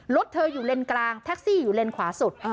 รถเธออยู่เลนกลางแท็กซี่อยู่เลนขวาสุด